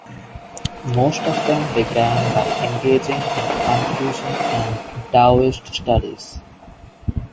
Most of them began by engaging in Confucian and Daoist studies.